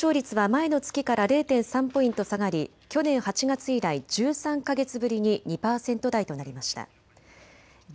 上昇率は前の月から０．３ポイント下がり去年８月以来、１３か月ぶりに２％台となりました。